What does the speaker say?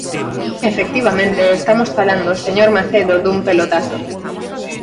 Efectivamente, estamos falando, señor Macedo, dun pelotazo.